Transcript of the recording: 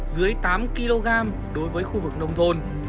dưới tám kg đối với khu vực nông thôn